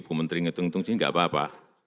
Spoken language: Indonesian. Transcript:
bu menteri ngitung ngitung sih enggak apa apa